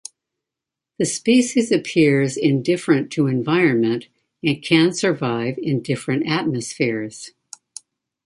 The species appears indifferent to environment and can survive in different atmospheres.